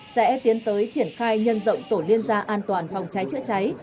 sẽ tiến tới triển khai nhân rộng tổ liên gia an toàn phòng cháy chữa cháy